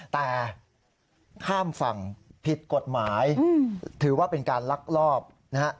แต่ข้ามฝั่งผิดกฎหมายถือว่าเป็นการลักลอบนะฮะ